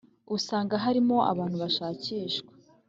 usanga harimo abantu bashakishwa